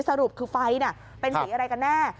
สรุปคือไฟเป็นสีอะไรกันแน่